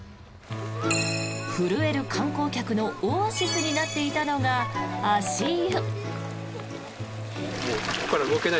震える観光客のオアシスになっていたのが足湯。